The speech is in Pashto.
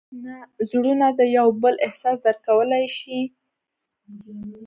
زړونه د یو بل احساس درک کولی شي.